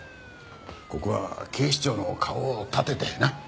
ここは警視庁の顔を立ててなっ？